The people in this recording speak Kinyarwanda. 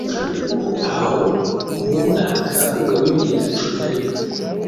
aho mu mwaka w bibiri na cumi na rimwe